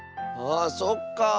あそっか。